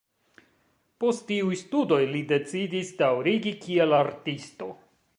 Post tiuj studoj li decidis daŭrigi kiel artisto.